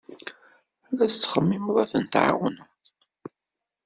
La tettxemmimeḍ ad ten-tɛawneḍ?